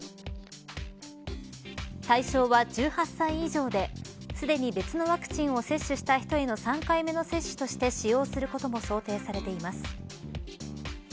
対象は１８歳以上ですでに別のワクチンを接種した人への３回目の接種として使用することも想定されています。